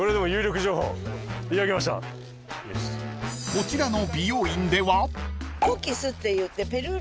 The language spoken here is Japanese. ［こちらの］